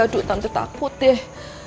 aduh tante takut deh